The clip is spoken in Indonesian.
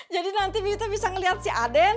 jadi nanti bibi bisa liat si aden